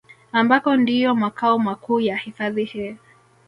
Ambako ndiyo makao makuu ya hifadhi hii